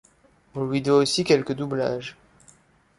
On lui doit aussi quelques doublages.